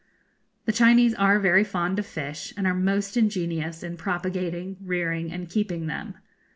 The Chinese are very fond of fish, and are most ingenious in propagating, rearing, and keeping them.